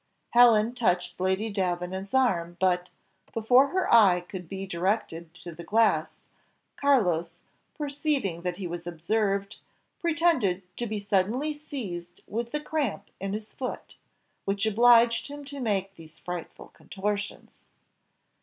Helen touched Lady Davenant's arm, but, before her eye could be directed to the glass, Carlos, perceiving that he was observed, pretended to be suddenly seized with the cramp in his foot, which obliged him to make these frightful contortions.